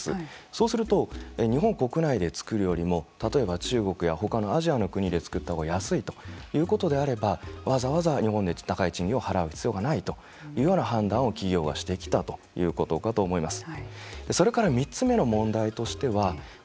そうすると日本国内で作るよりも例えば中国や他のアジアの国で作った方が安いということであればわざわざ日本で高い賃金を払う必要がないという判断を企業がしてきたということかと思います。